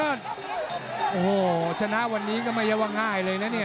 โอ้โหชนะวันนี้ก็ไม่ใช่ว่าง่ายเลยนะเนี่ย